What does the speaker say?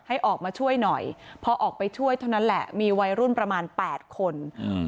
ให้ออกมาช่วยหน่อยพอออกไปช่วยเท่านั้นแหละมีวัยรุ่นประมาณแปดคนอืม